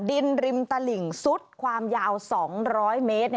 ริมตลิ่งซุดความยาว๒๐๐เมตร